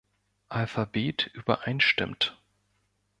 Alphabet übereinstimmt.